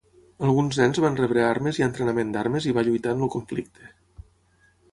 Alguns nens van rebre armes i entrenament d'armes i va lluitar en el conflicte.